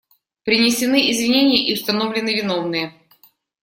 Принесены извинения и установлены виновные.